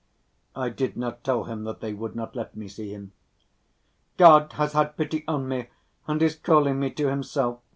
I did not tell him that they would not let me see him. "God has had pity on me and is calling me to Himself.